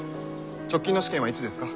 直近の試験はいつですか？